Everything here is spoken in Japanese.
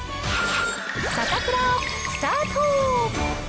サタプラスタート。